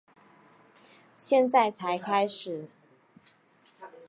现在才开始